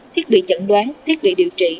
thiết bị chẩn đoán thiết bị điều trị